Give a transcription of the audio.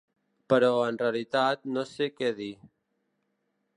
Però, en realitat, no sé què dir.